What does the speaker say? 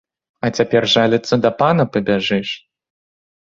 А цяпер жаліцца да пана пабяжыш?!